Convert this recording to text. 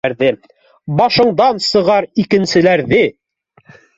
Башыңдан сығар икенселәрҙе